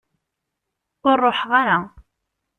Ur ruḥeɣ ara.